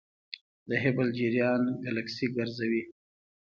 د هبل جریان ګلکسي ګرځوي.